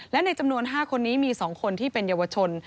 และในจำนวน๕คนนี้มี๒คนที่เป็นเยาวชน